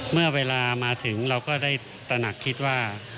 เมื่อเวลามาถึงเราก็ได้ตระหนักคิดว่า